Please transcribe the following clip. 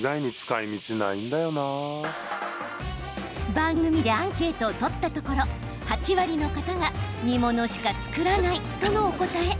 番組でアンケートを取ったところ８割の方が煮物しか作らないとのお答え。